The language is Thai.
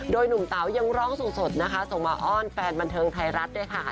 โดยหนุ่มเต๋ายังร้องสดนะคะส่งมาอ้อนแฟนบันเทิงไทยรัฐด้วยค่ะ